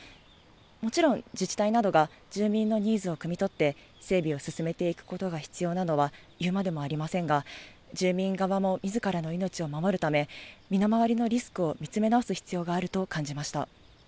もちろん、自治体などが住民のニーズをくみ取って、整備を進めていくことが必要なのは言うまでもありませんが、住民側もみずからの命を守るため、身の回りのリスクを見つめ直す必要があると感じました。